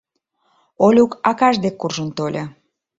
— Олюк акаж дек куржын тольо.